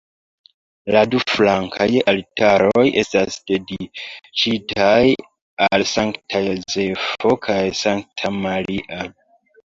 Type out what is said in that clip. La du flankaj altaroj estas dediĉitaj al Sankta Jozefo kaj Sankta Maria.